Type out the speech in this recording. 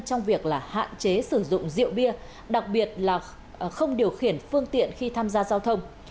trong việc là hạn chế sử dụng rượu bia đặc biệt là không điều khiển phương tiện khi tham gia giao thông